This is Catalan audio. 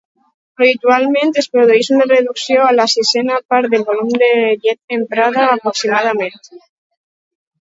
Habitualment es produeix una reducció a la sisena part del volum de llet emprada aproximadament.